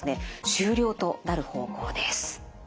終了となる方向です。